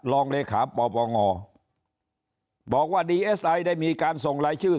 รองเลขาปปงบอกว่าดีเอสไอได้มีการส่งรายชื่อ